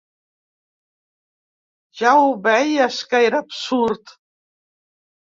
Ja ho veies, que era absurd.